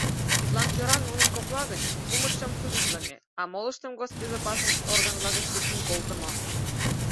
Тидлан кӧра нунын кокла гыч кумытшым судитлыме, а молыштым госбезопасность органла гыч луктын колтымо...»